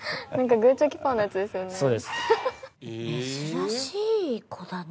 グーチョキパーのやつですよね。